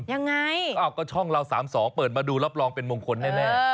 ยังไงอ้าวก็ช่องเรา๓๒เปิดมาดูรับรองเป็นมงคลแน่